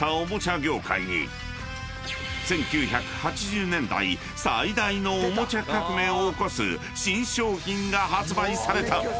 ［１９８０年代最大のおもちゃ革命を起こす新商品が発売された］